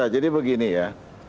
jadi begini ya